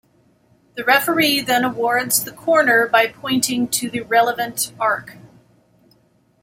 The referee then awards the corner by pointing to the relevant arc.